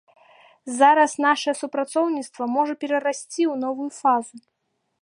Зараз нашае супрацоўніцтва можа перарасці ў новую фазу.